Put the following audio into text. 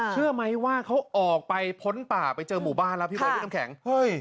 เชื่อไหมว่าเขาออกไปพ้นป่าไปเจอหมู่บ้านแล้วพี่เบิร์พี่น้ำแข็งเฮ้ย